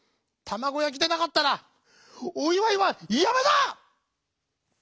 たまごやきでなかったらおいわいはやめだ！」。